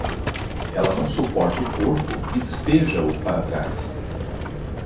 Ela não suporta o corpo e despeja-o para trás